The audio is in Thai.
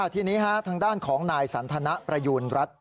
ทีนี้ทางด้านของนายสันทนประยูณรัฐ